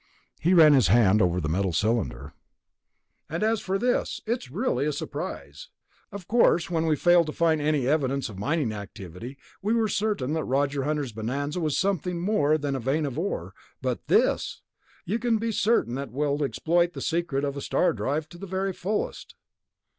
He ran his hand over the metal cylinder. "And as for this ... it's really a surprise. Of course when we failed to find any evidence of mining activity, we were certain that Roger Hunter's bonanza was something more than a vein of ore, but this! You can be certain that we will exploit the secret of a star drive to the very fullest."